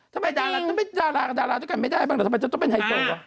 ทำไมดาลากับดาลาด้วยกันไม่ได้ทำไมจะต้องเป็นไฮโซหรือ